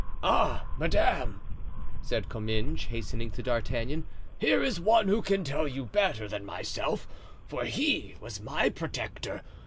"Ah, madame," said Comminges, hastening to D'Artagnan, "here is one who can tell you better than myself, for he was my protector.